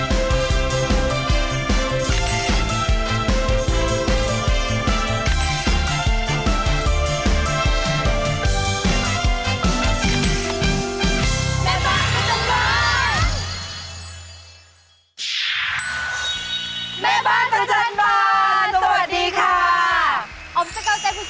ช่วงนี้หนุ่มจ๋าวที่เกิดเดือนไหน